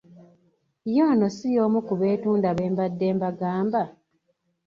Ye ono si y'omu ku beetunda be mbadde mbagamba?